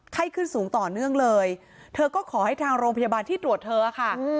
ไข้ขึ้นสูงต่อเนื่องเลยเธอก็ขอให้ทางโรงพยาบาลที่ตรวจเธอค่ะ